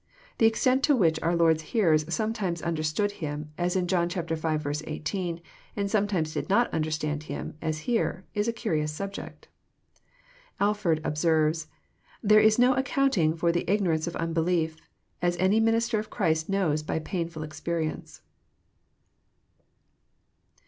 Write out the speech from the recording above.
The extent to which our Lord's hearers sometimes understood Him, as in John v. 18, and some times did not understand Him, as here, is a curious subject. Alford observes :There is no accounting for the isnorance of unbelief; as any minister of Christ knows by palnuil expe rience."